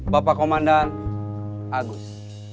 bapak komandan agus